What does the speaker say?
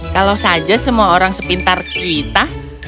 kalau saja semua orang sepintar kita